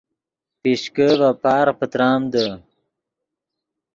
پیشکے ڤے پارغ پتریمدے